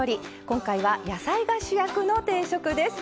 今回は野菜が主役の定食です。